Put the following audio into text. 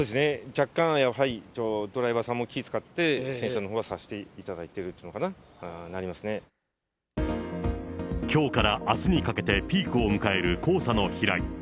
若干、ドライバーさんも気を遣って洗車のほうはさせていただいているときょうからあすにかけてピークを迎える黄砂の飛来。